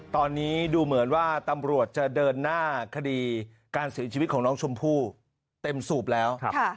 ตอนนี้ดูเหมือนว่าตำรวจจะเดินหน้าคดีการเสียชีวิตของน้องชมพู่เต็มสูบแล้ว